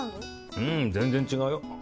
うん全然違うよ。